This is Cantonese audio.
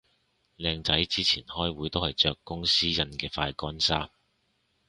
靚仔之前開會都係着公司印嘅快乾衫